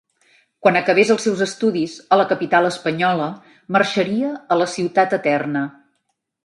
Quan acabés els seus estudis a la capital espanyola marxaria a la ciutat eterna.